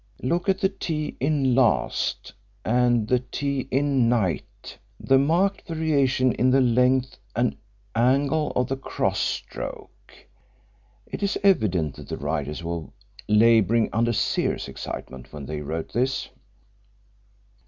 Look at the 'T' in 'last' and the 'T' in 'night' the marked variation in the length and angle of the cross stroke. It is evident that the writers were labouring under serious excitement when they wrote this."